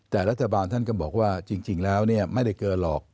แต่รัฐบาลท่านก็บอกว่าจริงแล้วไม่ได้เกินหรอก